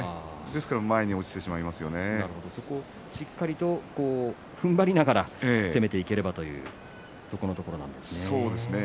ですからそこをしっかりとふんばりながら攻めていければというそこのところなんですね。